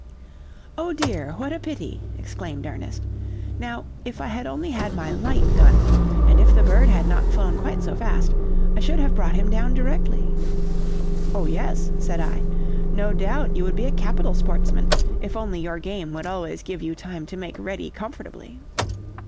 "'Oh, dear, what a pity!' exclaimed Ernest; 'now if I had only had my light gun, and if the bird had not flown quite so fast, I should have brought him down directly!' "'Oh yes,' said I, 'no doubt you would be a capital sportsman, if only your game would always give you time to make ready comfortably.'